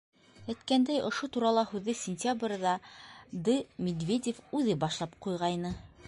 Әйткәндәй, ошо турала һүҙҙе сентябрҙә Д. Медведев үҙе башлап ҡуйғайны.